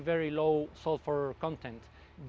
yaitu konten sulfur yang sangat rendah